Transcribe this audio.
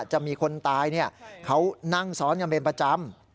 จะมีคนตายเขานั่งซ้อนกันเป็นประจำ